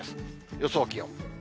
予想気温。